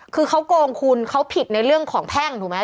คือเขาโกงคุณเขาผิดในเรื่องของแพ่งถูกไหม